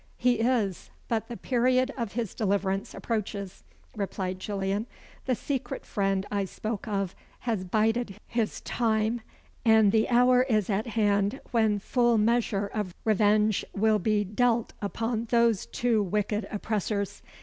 "He is; but the period of his deliverance approaches," replied Gillian. "The secret friend I spoke of has bided his time, and the hour is at hand when full measure of revenge will be dealt upon those two wicked oppressors.